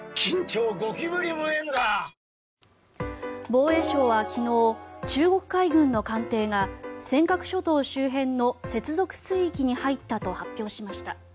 防衛省は昨日中国海軍の艦艇が尖閣諸島周辺の接続水域に入ったと発表しました。